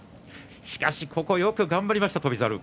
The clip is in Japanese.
しかし、ここはよく頑張りました翔猿。